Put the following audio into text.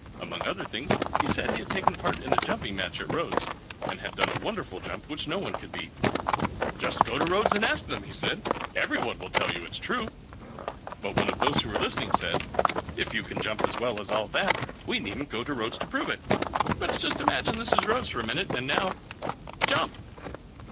Among other things, he said he had taken part in a jumping match at Rhodes, and had done a wonderful jump which no one could beat. "Just go to Rhodes and ask them," he said; "every one will tell you it's true." But one of those who were listening said, "If you can jump as well as all that, we needn't go to Rhodes to prove it. Let's just imagine this is Rhodes for a minute: and now jump!"